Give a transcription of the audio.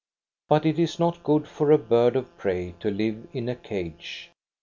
But it is not good for a bird of prey to live in a cage.